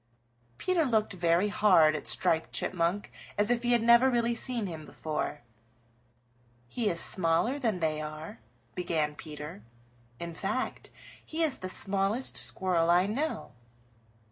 Peter looked very hard at Striped Chipmunk as if he had never really seen him before. "He is smaller than they are," began Peter. "In fact, he is the smallest Squirrel I know."